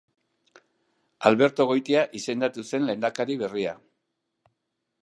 Alberto Goitia izendatu zen lehendakari berria.